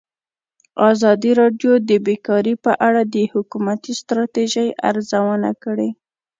ازادي راډیو د بیکاري په اړه د حکومتي ستراتیژۍ ارزونه کړې.